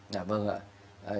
dạ vâng ạ